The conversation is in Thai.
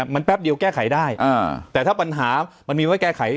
มันแป๊บเดียวแก้ไขได้แต่ถ้าปัญหามันมีไว้แก้ไข